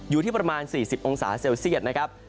อยู่ที่ประมาณ๔๐องศาเซลเซียตนะครับ